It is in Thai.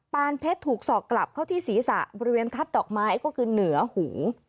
เพชรถูกสอกกลับเข้าที่ศีรษะบริเวณทัศน์ดอกไม้ก็คือเหนือหู